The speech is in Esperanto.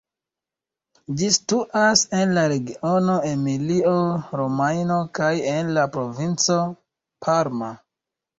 Ĝi situas en la regiono Emilio-Romanjo kaj en la provinco Parma.